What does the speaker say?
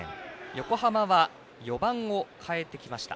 横浜は４番を変えてきました。